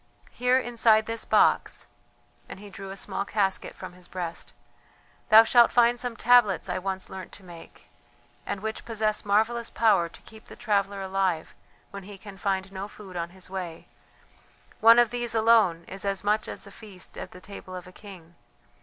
Here inside this box" and he drew a small casket from his breast "thou shalt find some tablets I once learnt to make, and which possess marvellous power to keep the traveller alive when he can find no food on his way; one of these alone is as much as a feast at the table of a king.